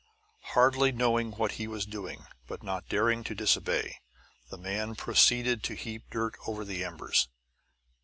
Hardly knowing what he was doing, but not daring to disobey, the man proceeded to heap dirt over the embers.